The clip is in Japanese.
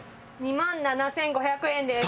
２万７５００円です。